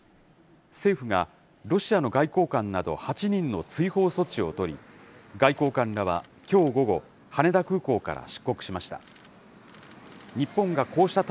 政府が、ロシアの外交官など８人の追放措置を取り、外交官らはきょう午後、羽田空港から出国しました。